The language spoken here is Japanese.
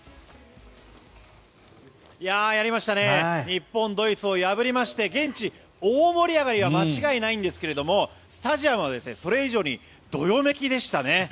日本、ドイツを破りまして現地、大盛り上がりは間違いないんですがスタジアムはそれ以上にどよめきでしたね。